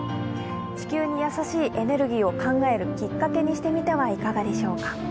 地球に優しいエネルギーを考えるきっかけにしてみてはいかがでしょうか。